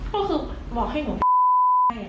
คุณสาวบอกให้ของ